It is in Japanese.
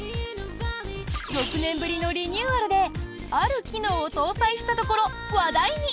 ６年ぶりのリニューアルである機能を搭載したところ話題に。